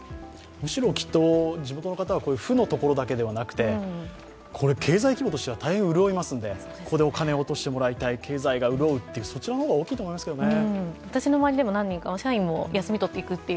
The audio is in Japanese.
むしろきっと地元の方は負のところだけではなくて、経済規模としては大変潤いますので、ここでお金を落としてもらいたい、経済が潤う、そちらの方が大きいと思いますけどね。